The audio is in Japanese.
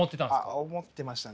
あっ思ってましたね。